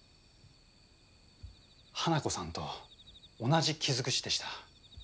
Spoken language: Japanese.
花子さんと同じ傷口でした。